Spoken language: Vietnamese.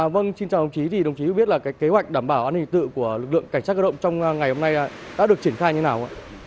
vâng xin chào đồng chí đồng chí biết kế hoạch đảm bảo an ninh trật tự của lực lượng cảnh sát cơ động trong ngày hôm nay đã được triển khai như thế nào